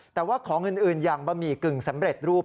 แต่ว่าของอื่นอย่างบะหมี่กึ่งสำเร็จรูป